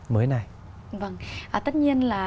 mới này vâng tất nhiên là